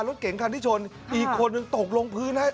รถเก๋งคันที่ชนอีกคนหนึ่งตกลงพื้นฮะ